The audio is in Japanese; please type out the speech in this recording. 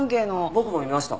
僕も見ました。